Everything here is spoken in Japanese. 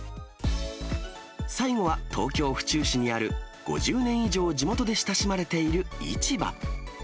最後は東京・府中市にある、５０年以上地元で親しまれている市場。